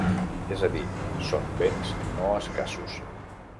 És a dir, són béns no escassos.